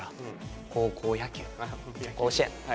甲子園。